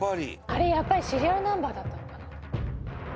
「あれやっぱりシリアルナンバーだったのかな」